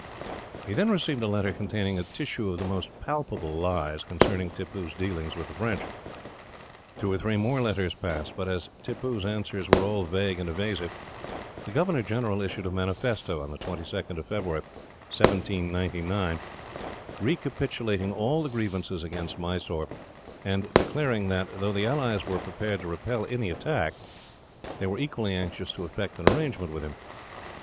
He then received a letter containing a tissue of the most palpable lies concerning Tippoo's dealings with the French. Two or three more letters passed, but as Tippoo's answers were all vague and evasive, the governor general issued a manifesto, on the 22nd of February, 1799, recapitulating all the grievances against Mysore, and declaring that, though the allies were prepared to repel any attack, they were equally anxious to effect an arrangement with him.